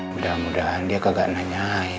mudah mudahan dia kagak nanya